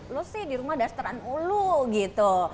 lo sih di rumah ada seteran ulu gitu